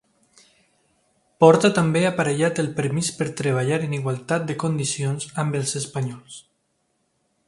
Porta també aparellat el permís per treballar en igualtat de condicions amb els espanyols.